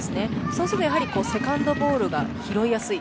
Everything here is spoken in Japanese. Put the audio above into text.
そうすると、セカンドボールが拾いやすい。